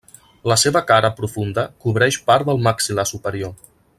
La seva cara profunda cobreix part del maxil·lar superior.